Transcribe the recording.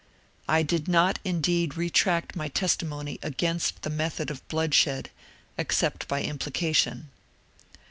I did not indeed retract my testimony against the method of bloodshed except by implication.